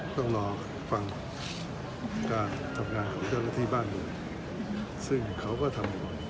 ต้องรอฟังการทำงานของเจ้าตาธิบ้านอีกซึ่งเขาก็ทำ